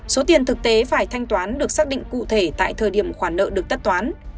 số tiền thực tế phải thanh toán được xác định cụ thể tại thời điểm khoản nợ được tất toán